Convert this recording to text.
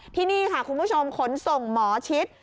ที่นี่ค่ะคุณผู้ชมขนส่งหมอชิด